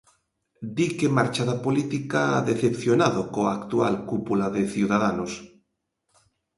Di que marcha da política, decepcionado coa actual cúpula de Ciudadanos.